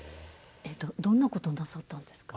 どんなことなさったんですか？